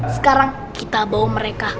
sekarang kita bawa mereka